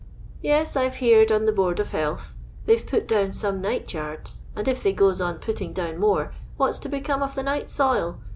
'* Yes, I 've heered on the Board of Health. They 've put down some night yards, and if they goei on putting down more, what 's to become of the nigh^soil?